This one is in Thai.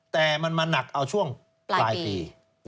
แต่มันมาหนักเอาช่วงปลายปี